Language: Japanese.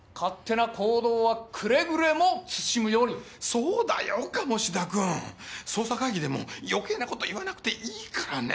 そうだよ鴨志田君！捜査会議でも余計なこと言わなくていいからね。